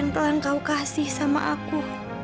yang telah kau kasih sama aku